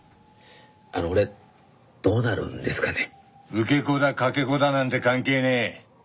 受け子だ掛け子だなんて関係ねえ。